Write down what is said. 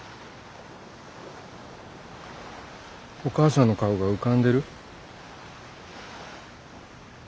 お母さんの顔が浮かんでる？